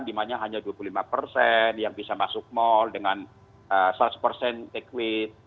misalnya hanya dua puluh lima yang bisa masuk mall dengan seratus take away